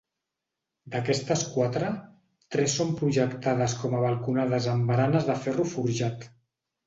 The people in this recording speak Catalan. D'aquestes quatre, tres són projectades com a balconades amb baranes de ferro forjat.